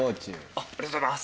ありがとうございます。